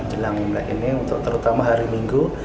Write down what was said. jelang imlek ini untuk terutama hari minggu